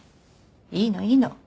いいのいいの。